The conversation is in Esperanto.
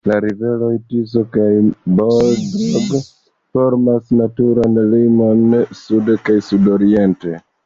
La riveroj Tiso kaj Bodrog formas naturan limon sude kaj sudoriente.